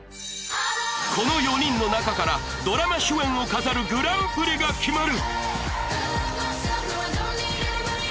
この４人の中からドラマ主演を飾るグランプリが決まる！